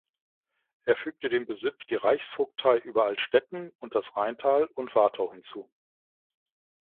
Er fügte dem Besitz die Reichsvogtei über Altstätten und das Rheintal und Wartau hinzu.